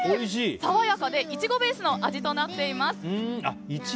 爽やかでイチゴベースの味となっています。